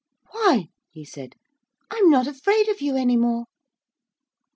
'Why,' he said, 'I'm not afraid of you any more.'